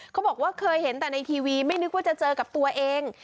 บอกว่าเคยเห็นแต่ในทีวีไม่นึกว่าจะเจอกับตัวเอง